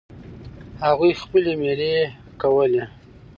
هغوی خپلې میلې کولې.